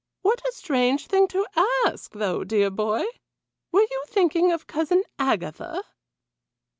What a strange thing to ask, though, dear boy! Were you thinking of Cousin Agatha?"